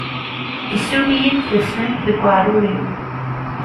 Issuli-yi-d taslent deg waɛrur-iw.